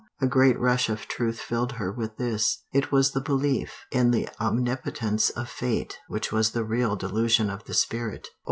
A great rush of truth filled her with this It was the belief in the omnipotence of fate which was the real delusion of the spirit.